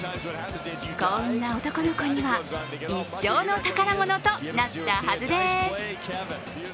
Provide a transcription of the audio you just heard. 幸運な男の子には一生の宝物となったはずです。